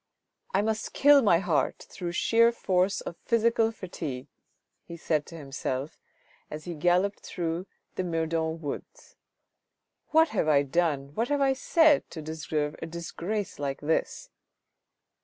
" I must kill my heart through sheer force of physical fatigue," he said to himself as he galloped through the Meudon woods. " What have I done, what have I said to deserve a disgrace like this